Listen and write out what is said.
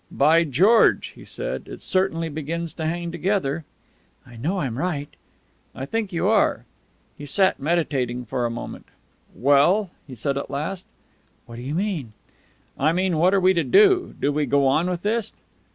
"By George!" he said. "It certainly begins to hang together." "I know I'm right." "I think you are." He sat meditating for a moment. "Well?" he said at last. "What do you mean?" "I mean, what are we to do? Do we go on with this?"